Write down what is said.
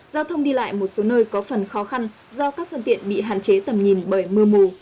giao thông đi lại một số nơi có phần khó khăn do các thân tiện bị hạn chế tầm nhìn bởi mưa mù